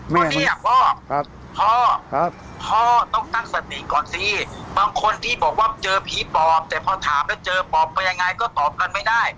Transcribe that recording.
ก็เนี่ยพ่อพ่อต้องตั้งสติก่อนสิบางคนที่บอกว่าเจอผีปอบแต่พอถามแล้วเจอปอบไปยังไงก็ตอบกันไม่ได้